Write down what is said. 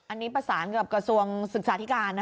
อันนี้ประสานเกือบกระทรวงศึกษาที่การนะครับ